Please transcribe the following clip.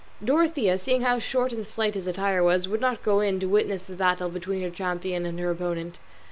Dorothea, seeing how short and slight his attire was, would not go in to witness the battle between her champion and her opponent.